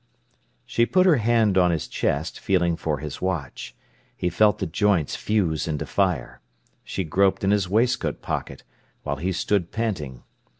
She put her hand on his chest, feeling for his watch. He felt the joints fuse into fire. She groped in his waistcoat pocket, while he stood panting.